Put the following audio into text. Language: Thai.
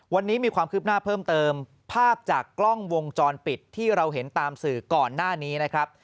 วันนี้มีความคืบหน้าเพิ่มเติมภาพจากกล้องวงจรปิดที่เราเห็นตามสื่อก่อนหน้านี้นะครับ